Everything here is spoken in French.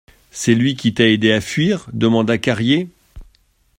C'est lui qui t'a aidé à fuir ? demanda Carrier.